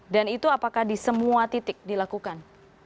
dan itu apakah di semua titik dilakukan